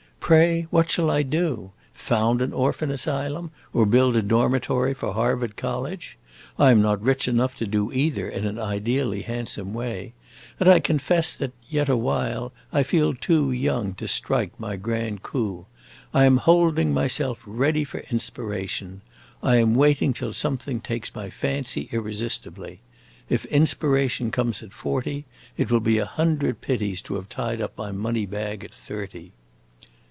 Pray, what shall I do? Found an orphan asylum, or build a dormitory for Harvard College? I am not rich enough to do either in an ideally handsome way, and I confess that, yet awhile, I feel too young to strike my grand coup. I am holding myself ready for inspiration. I am waiting till something takes my fancy irresistibly. If inspiration comes at forty, it will be a hundred pities to have tied up my money bag at thirty."